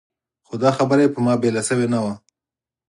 خو دا خبره یې پر ما بېله شوې نه وه.